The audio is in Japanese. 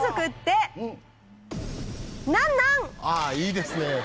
ああいいですね。